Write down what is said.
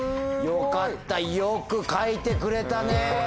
よかったよく書いてくれたね。